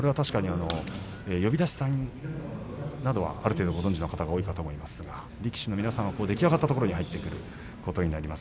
呼出しさんなどはある程度ご存じの方が多いと思いますが力士の皆さんは出来上がったところに入ってくることになります。